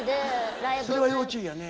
それは要注意やね。